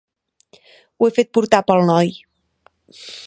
Ho he fet portar pel noi.